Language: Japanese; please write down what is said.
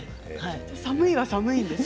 寒いは寒いんですね。